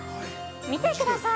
見てください。